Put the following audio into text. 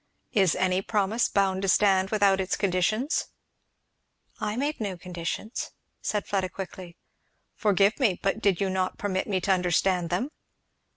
"Is any promise bound to stand without its conditions?" "I made no conditions," said Fleda quickly. "Forgive me, but did you not permit me to understand them?"